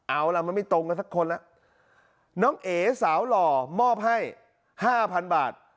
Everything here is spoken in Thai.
เอาล่ะมันไม่ตรงกันทั้งคนน้องเอ๋สาวหล่อมอบให้๕๐๐๐บาท